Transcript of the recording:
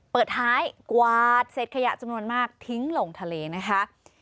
เปิดท้ายกวาดเสร็จขยะจำนวนมากทิ้งลงทะเลนะคะ